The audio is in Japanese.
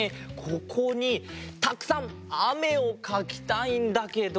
ここにたくさんあめをかきたいんだけど。